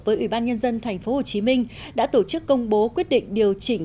với ủy ban nhân dân tp hcm đã tổ chức công bố quyết định điều chỉnh